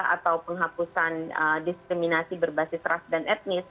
atau penghapusan diskriminasi berbasis ras dan etnis